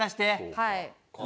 はい。